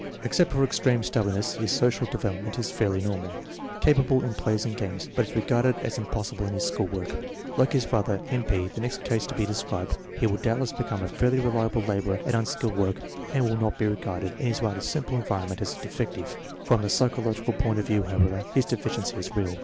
Except for extreme stubbornness his social development is fairly normal. Capable in plays and games, but is regarded as impossible in his school work. Like his brother, M. P., the next case to be described, he will doubtless become a fairly reliable laborer at un skilled work and will not be regarded, in his rather simple environ ment, as a defective. From the psychological point of view, how ever, his deficiency is real.